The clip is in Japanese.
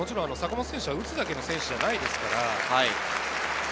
坂本選手は打つだけの選手じゃないですから。